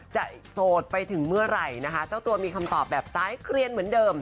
โสดไปถึงเมื่อไหร่นะคะเจ้าตัวมีคำตอบแบบซ้ายเกลียนเหมือนเดิม